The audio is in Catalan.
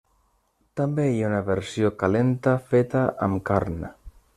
També hi ha una versió calenta, feta amb carn.